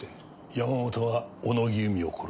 山本は小野木由美を殺した。